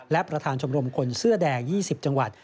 และประธานชมรมคนเสื้อแดง๒๐จังหวัด